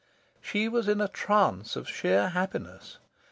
She was in a trance of sheer happiness.